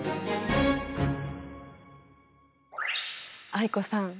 藍子さん